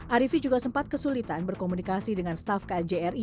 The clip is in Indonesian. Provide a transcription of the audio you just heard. arifi juga sempat kesulitan berkomunikasi dengan staff kjri